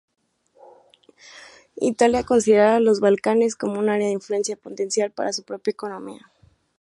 Italia consideraba los Balcanes como un área de influencia potencial para su propia economía.